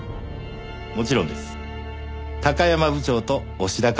もちろんです。